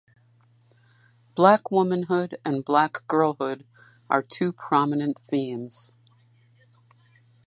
Black womanhood and Black girlhood are two prominent themes.